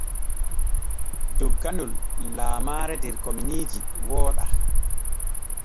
Dogganol lamaare der kominiiji wooɗa.